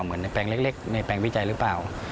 เหมือนในแปลงเล็กในแปลงวิจัยหรือเปล่า